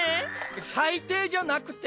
最低じゃなくて？